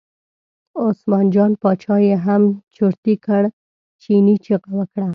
عثمان جان باچا یې هم چرتي کړ، چیني چغه وکړه.